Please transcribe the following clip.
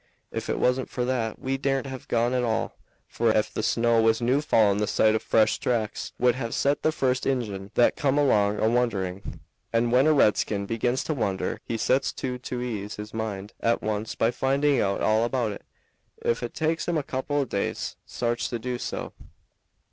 Ef it wasn't for that we daren't have gone at all, for ef the snow was new fallen the sight of fresh tracks would have set the first Injun that come along a wondering; and when a redskin begins to wonder he sets to to ease his mind at once by finding out all about it, ef it takes him a couple of days' sarch to do so.